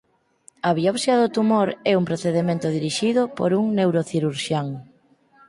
A biopsia do tumor é un procedemento dirixido por un neurocirurxián.